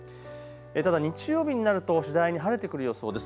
ただ日曜日になると次第に晴れてくる予想です。